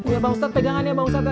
ya bang ustadz pegangan ya bang ustadz